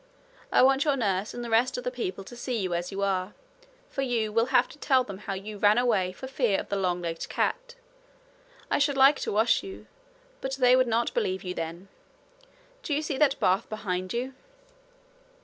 I want your nurse and the rest of the people to see you as you are, for you will have to tell them how you ran away for fear of the long legged cat. I should like to wash you, but they would not believe you then. Do you see that bath behind you?'